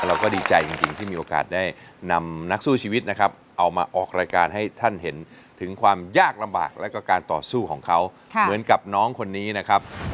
เราก็ดีใจจริงที่มีโอกาสได้นำนักสู้ชีวิตนะครับเอามาออกรายการให้ท่านเห็นถึงความยากลำบากแล้วก็การต่อสู้ของเขาเหมือนกับน้องคนนี้นะครับ